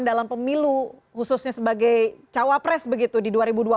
dalam pemilu khususnya sebagai cawapres begitu di dua ribu dua puluh